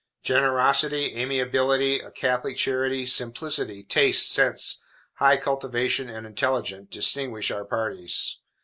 Generosity, amiability, a catholic charity, simplicity, taste, sense, high cultivation, and intelligence, distinguish our parties.